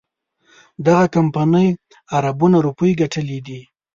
دغه کمپنۍ اربونه روپۍ ګټلي دي.